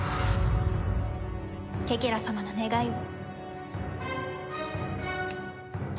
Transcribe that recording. ケケラ様の願いを。